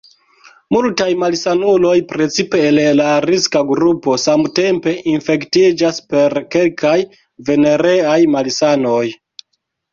Multaj malsanuloj, precipe el la riska grupo, samtempe infektiĝas per kelkaj venereaj malsanoj.